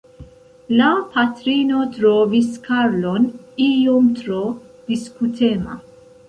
La patrino trovis Karlon iom tro diskutema.